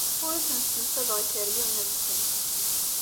Ur asen-ssemsadeɣ ikeryunen-nsen.